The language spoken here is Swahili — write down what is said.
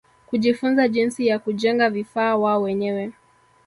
Kujifunza jinsi ya kujenga vifaa wao wenyewe